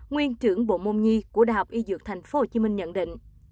nguyên trưởng bộ môn nhi của đh y dược tp hcm nhận định